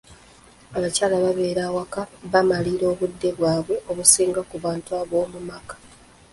Abakyala ababeera awaka bamalira obudde bwabwe obusinga ku bantu b'omu maka.